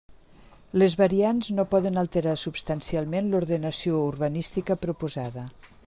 Les variants no poden alterar substancialment l'ordenació urbanística proposada.